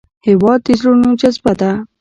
هېواد د زړونو جذبه ده.